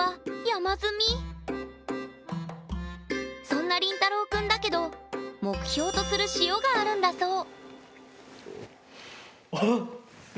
そんなりんたろうくんだけど目標とする「塩」があるんだそう。